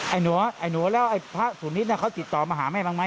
ไอ้หนัวไอ้หนัวเล่าไอ้พระสูณิษฐ์เค้าจิตต่อมาหาแม่บ้างไหม